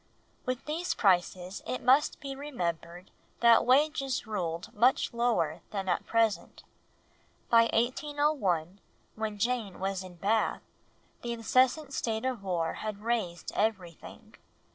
With these prices it must be remembered that wages ruled much lower than at present. By 1801, when Jane was in Bath, the incessant state of war had raised everything.